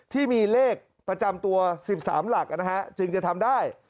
ที่มีเลขประจำตัว๑๓หลักจึงจะทำได้